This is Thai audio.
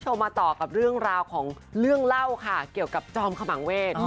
มาต่อกับเรื่องราวของเรื่องเล่าค่ะเกี่ยวกับจอมขมังเวท